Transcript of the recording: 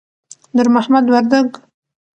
نور محمد وردک